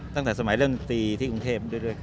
ตั้งแต่สมัยเริ่มตีที่กรุงเทพด้วยกัน